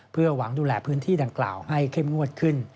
เพื่อหวังดูแลพื้นที่ดังกล่าวให้เข้มงวดขึ้น